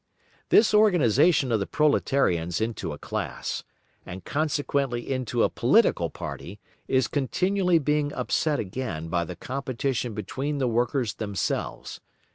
This organisation of the proletarians into a class, and consequently into a political party, is continually being upset again by the competition between the workers themselves.